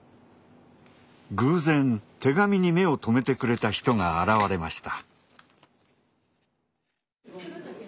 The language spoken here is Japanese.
偶然手紙に目を留めてくれた人が現れました。